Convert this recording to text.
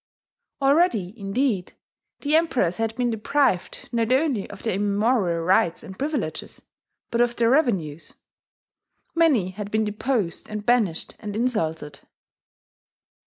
Already, indeed, the emperors had been deprived not only of their immemorial rights and privileges, but of their revenues: many had been deposed and banished and insulted.